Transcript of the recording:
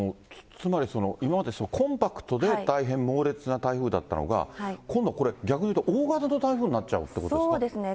つまり今までコンパクトで大変猛烈な台風だったのが、今度これ、逆に言うと大型の台風になっちゃうということですか。